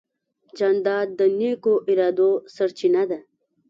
جانداد د نیکو ارادو سرچینه ده.